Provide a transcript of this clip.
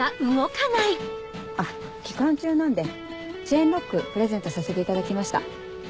あっ期間中なんでチェーンロックプレゼントさせていただきました。